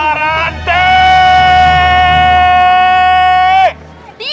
iya usah takut arsy